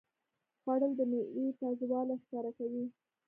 خوړل د میوې تازهوالی ښکاره کوي